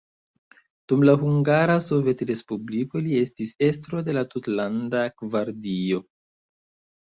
Dum la Hungara Sovetrespubliko li estis estro de la tutlanda gvardio.